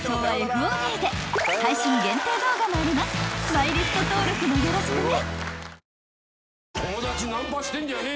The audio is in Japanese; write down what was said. ［マイリスト登録もよろしくね］